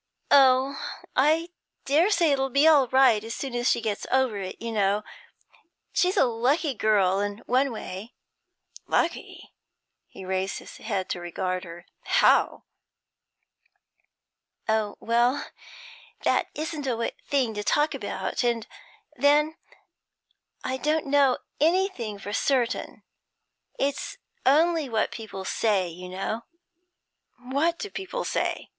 'Oh, I daresay it 'll be all right as soon as she gets over it, you know. She's a lucky girl, in one way.' 'Lucky?' He raised his head to regard her. 'How?' 'Oh well, that isn't a thing to talk about. And then I don't know anything for certain. It's only what people say you know.' 'What do people say?'